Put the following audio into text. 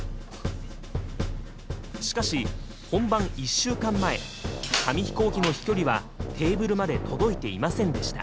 しかし本番１週間前飛行機の飛距離はテーブルまで届いていませんでした。